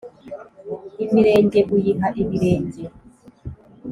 Imirenge uyiha ibirenge